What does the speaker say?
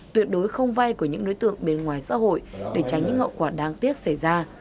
tuyệt đối không vay của những đối tượng bên ngoài xã hội để tránh những hậu quả đáng tiếc xảy ra